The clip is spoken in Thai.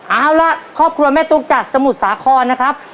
เอาล่ะครอบครัวแม่ตุ๊กจากสมุทรสาครนะครับ